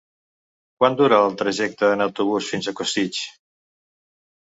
Quant dura el trajecte en autobús fins a Costitx?